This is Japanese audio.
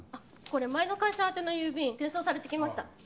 これ前の会社宛ての郵便転送されてきました。